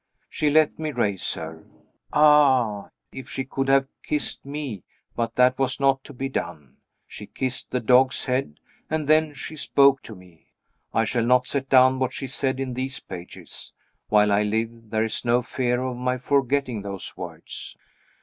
She let me raise her. Ah, if she could have kissed me but that was not to be done; she kissed the dog's head, and then she spoke to me. I shall not set down what she said in these pages. While I live, there is no fear of my forgetting those words.